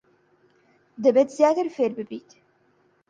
دەبێت زیاتر فێر ببیت.